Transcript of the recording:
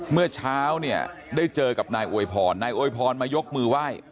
เมื่อเช้าเนี่ยได้เจอกับนายอวยพรนายอวยพรมายกมือไหว้